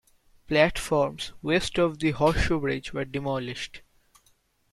Platforms west of the Horseshoe Bridge were demolished.